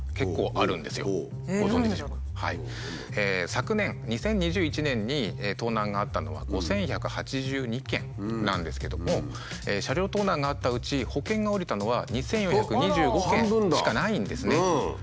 昨年２０２１年に盗難があったのは５，１８２件なんですけども車両盗難があったうち保険がおりたのは２，４２５件しかないんですね。